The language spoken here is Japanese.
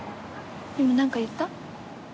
今なんか言った？